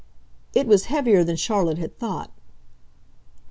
It was heavier than Charlotte had thought.